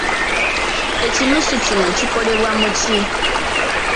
Ekinuuso kino kikolebwa mu ki?